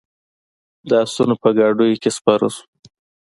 د آسونو په ګاډیو کې سپاره شوو.